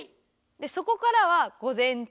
でそこからは「午前中」。